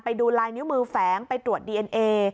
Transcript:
ไปดูลายนิ้วมือแฝงไปตรวจดีเอ็นเอ